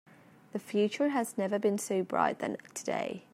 The future has never been so bright than today.